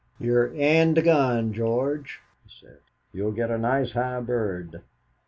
"You're end gun, George," he said; "you'll get a nice high bird!"